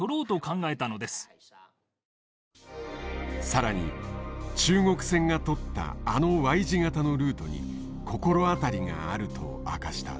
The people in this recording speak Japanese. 更に中国船が取ったあのＹ字型のルートに心当たりがあると明かした。